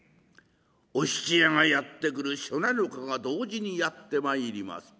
お七夜がやって来る初七日が同時にやって参ります。